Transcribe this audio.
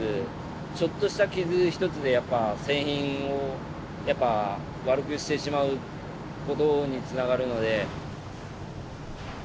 ちょっとした傷一つでやっぱ製品をやっぱ悪くしてしまうことにつながるので。